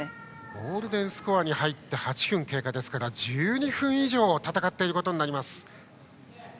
ゴールデンスコアに入って８分が経過ですから１２分以上戦っていることになります。